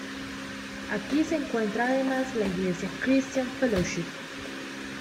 Aquí se encuentra además la Iglesia "Cristian Fellowship".